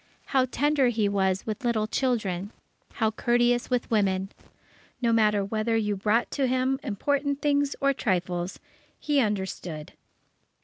How tender he was with little children! How courteous with women! No matter whether you brought to him important things or trifles, he understood.